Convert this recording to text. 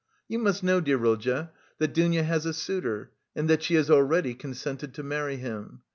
You must know, dear Rodya, that Dounia has a suitor and that she has already consented to marry him.